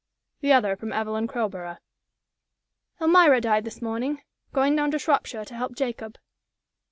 The other from Evelyn Crowborough "Elmira died this morning. Going down to Shropshire to help Jacob."